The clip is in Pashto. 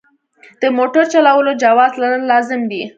د موټر چلولو جواز لرل لازم دي.